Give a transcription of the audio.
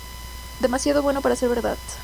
Demasiado bueno para ser verdad.